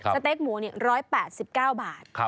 เต๊กหมู๑๘๙บาท